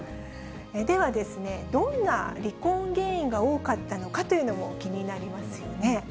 では、どんな離婚原因が多かったのかというのも気になりますよね。